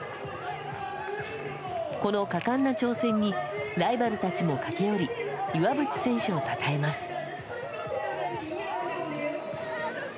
この果敢な挑戦にライバルたちも駆け寄り岩渕選手をたたえます。